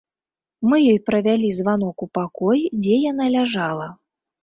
Мы ёй правялі званок у пакой, дзе яна ляжала.